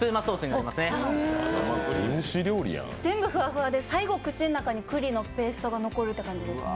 全部ふわふわで最後口の中にくりのペーストが残るって感じですね。